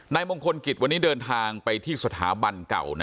มงคลกิจวันนี้เดินทางไปที่สถาบันเก่า